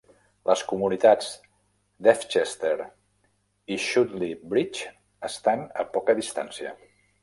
Les comunitats d'Ebchester i Shotley Bridge estan a poca distància.